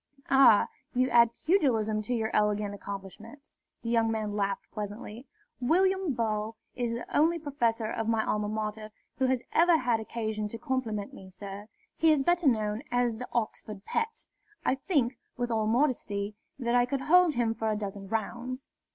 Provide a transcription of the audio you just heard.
"Ah, you add pugilism to your elegant accomplishments?" The young man laughed pleasantly. "William Ball is the only professor of my Alma Mater who has ever had occasion to compliment me, sir. He is better known as the Oxford Pet. I think, with all modesty, that I could hold him for a dozen rounds.